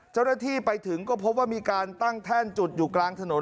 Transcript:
เจ้าหน้าที่ไปถึงก็พบว่ามีการตั้งแท่นจุดอยู่กลางถนน